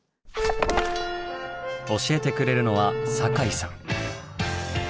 教えてくれるのは酒井さん。